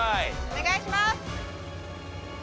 お願いします！